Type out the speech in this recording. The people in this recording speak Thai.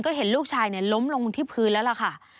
ก็เห็นลูกชายล้มลงที่พื้นแล้วล่ะค่ะ